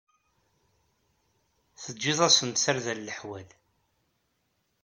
Teǧǧiḍ-asen-d tarda n leḥwal.